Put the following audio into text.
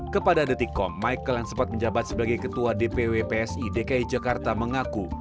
kepada detikkom michael yang sempat menjabat sebagai ketua dpw psi dki jakarta mengaku